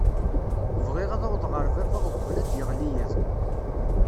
Bɣiɣ ad awḍeɣ ɣer baba uqbel ad d-yeɣli yiḍ.